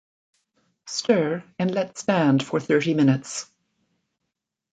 Stir and let stand for thirty minutes.